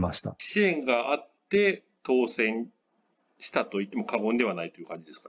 支援があって当選したと言っても過言ではないという感じです